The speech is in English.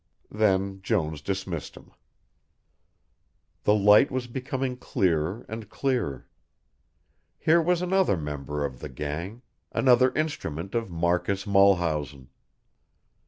Then Jones dismissed him. The light was becoming clearer and clearer. Here was another member of the gang, another instrument of Marcus Mulhausen.